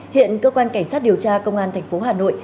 hiện cơ quan cảnh sát điều tra công an tp hà nội